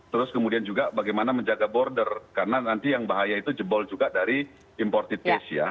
terus kemudian juga bagaimana menjaga border karena nanti yang bahaya itu jebol juga dari imported case ya